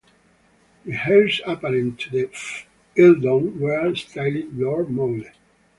The heirs apparent to the Earldom were styled Lord Maule.